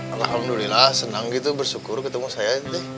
alhamdulillah senang gitu bersyukur ketemu saya